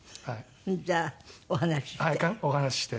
じゃあお話しして。